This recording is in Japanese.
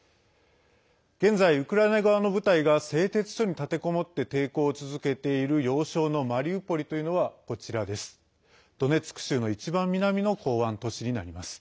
現在、ウクライナ側の部隊が製鉄所に立てこもって抵抗を続けている要衝のマリウポリというのはこちらです。